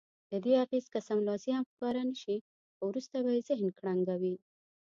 ددې اغېز که سملاسي هم ښکاره نه شي خو وروسته به یې ذهن کړنګوي.